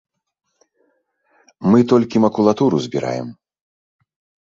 Мы толькі макулатуру збіраем.